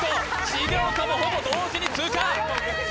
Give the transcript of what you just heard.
重岡もほぼ同時に通過